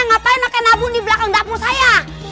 ngapain ngeken abu di belakang dapur saya